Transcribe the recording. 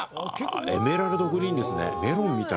エメラルドグリーンですね。